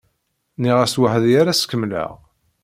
Nniɣ-as weḥd-i ara s-kemmleɣ.